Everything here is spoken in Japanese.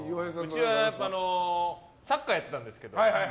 うちはサッカーやってたんですけど